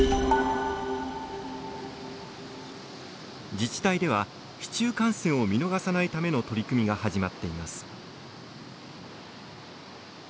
自治体では市中感染を見逃さないための取り組みが始まっています。